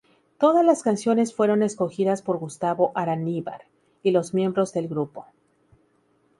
Todas las canciones fueron escogidas por Gustavo Araníbar y los miembros del grupo.